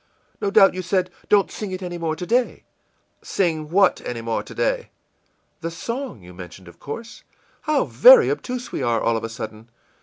No doubt you said, 'Don't sing it any more to day.'î ìSing what any more to day?î ìThe song you mentioned, of course, How very obtuse we are, all of a sudden!